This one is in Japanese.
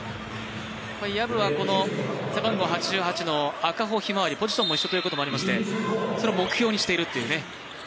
薮は背番号８８の赤穂ひまわりポジションも一緒ということもありまして、目標にしているというね